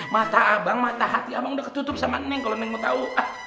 mata abang mata hati abang udah ketutup sama nenek kalo nenek mau tau